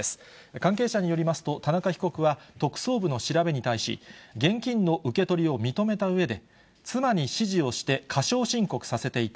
関係者によりますと、田中被告は、特捜部の調べに対し、現金の受け取りを認めたうえで、妻に指示をして過少申告させていた。